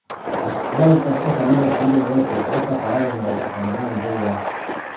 Usikubali kukatishwa tamaa na kiumbe yeyote hasa kwa yale unayokutana nayo mbele yako